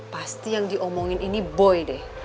pasti yang diomongin ini boy deh